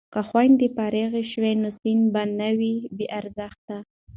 که خویندې فارغې شي نو سند به نه وي بې ارزښته.